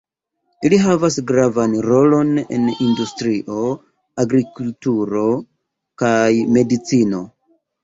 Ili havas gravan rolon en industrio, agrikulturo kaj medicino.